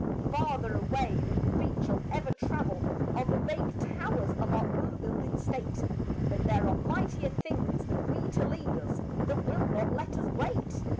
Farther away than feet shall ever travel Are the vague towers of our unbuilded State; But there are mightier things than we to lead us, That will not let us wait.